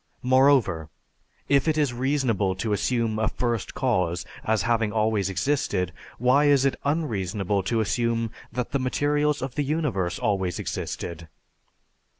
Moreover, if it is reasonable to assume a First Cause as having always existed, why is it unreasonable to assume that the materials of the universe always existed?